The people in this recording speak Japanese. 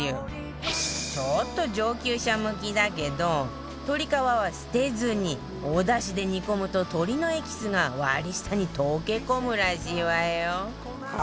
ちょっと上級者向きだけど鶏皮は捨てずにおだしで煮込むと鶏のエキスが割下に溶け込むらしいわよ